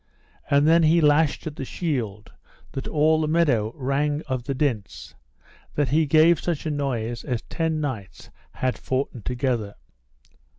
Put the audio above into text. And then he lashed at the shield, that all the meadow rang of the dints, that he gave such a noise as ten knights had foughten together.